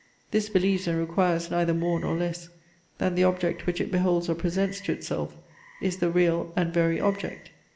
This believes and requires neither more nor less, than the object which it beholds or presents to itself, is the real and very object.